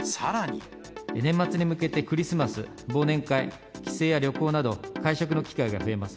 年末に向けてクリスマス、忘年会、帰省や旅行など、会食の機会が増えます。